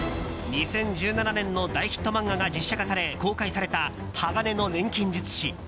２０１７年に大ヒット漫画が映画化され公開された「鋼の錬金術師」。